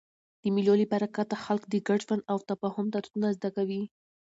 د مېلو له برکته خلک د ګډ ژوند او تفاهم درسونه زده کوي.